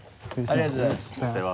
ありがとうございます。